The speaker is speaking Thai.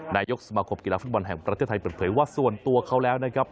นายกสมาคมกีฬาฟุตบอลแห่งประเทศไทยเปิดเผยว่าส่วนตัวเขาแล้วนะครับ